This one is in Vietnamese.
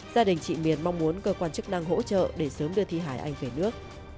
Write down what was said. gia đình chị miền mong muốn cơ quan chức năng hỗ trợ để sớm đưa thi hải anh về nước